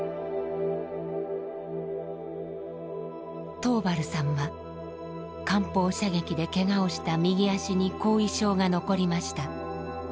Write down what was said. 桃原さんは艦砲射撃でけがをした右足に後遺症が残りました。